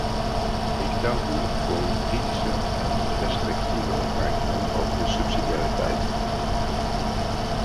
Ik dank u voor uw kritische en restrictieve opmerkingen over de subsidiariteit.